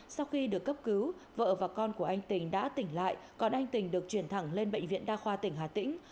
sau khi được cấp cứu vợ và con của anh tình đã tỉnh lại còn anh tình được chuyển thẳng lên bệnh viện đa khoa tỉnh hà tĩnh